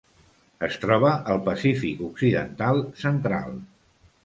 Es troba al Pacífic occidental central.